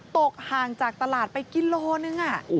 ตกห่างจากตลาดไปกิโลนึง